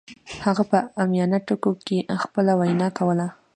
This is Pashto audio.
هغه په عامیانه ټکو کې خپله وینا کوله